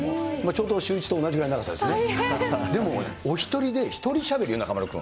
ちょうどシューイチと同じぐらいの長さですね。